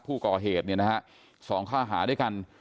ผู้ก่อเหตุเนี่ยนะครับสองข้าวหาด้วยกัน